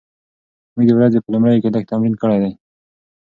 موږ د ورځې په لومړیو کې لږ تمرین کړی دی.